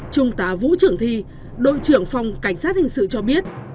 trung tá vũ trưởng thi đội trưởng phòng cảnh sát hình sự cho biết